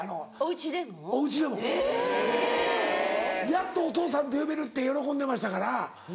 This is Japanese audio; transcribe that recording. やっと「お父さん」って呼べるって喜んでましたから。